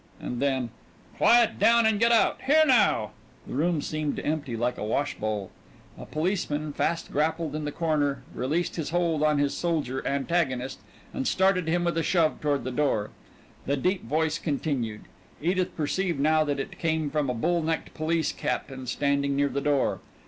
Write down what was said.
And then: "Quiet down and get out! Here now!" The room seemed to empty like a wash bowl. A policeman fast grappled in the corner released his hold on his soldier antagonist and started him with a shove toward the door. The deep voice continued. Edith perceived now that it came from a bull necked police captain standing near the door.